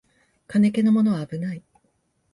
金気のものはあぶない